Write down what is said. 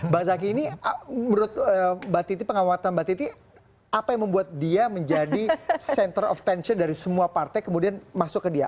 bang zaky ini menurut mbak titi pengawatan mbak titi apa yang membuat dia menjadi center of tension dari semua partai kemudian masuk ke dia